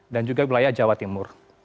dan juga wilayah jawa timur